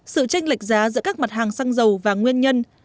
sự tranh lệch giá giữa các mặt hàng xăng dầu và nguyên nhân